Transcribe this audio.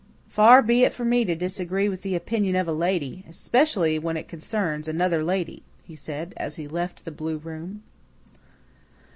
"Far be it from me to disagree with the opinion of a lady especially when it concerns another lady," he said, as he left the blue room.